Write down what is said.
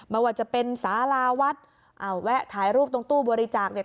ไม่ว่าจะเป็นสาราวัดอ้าวแวะถ่ายรูปตรงตู้บริจาคเนี่ย